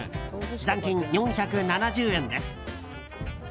残金４７０円です。